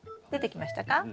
出てきましたか？